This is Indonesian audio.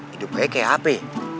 hidupnya kayak apa